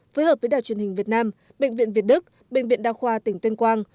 phối hợp với đài truyền hình việt nam bệnh viện việt đức bệnh viện đa khoa tỉnh tuyên quang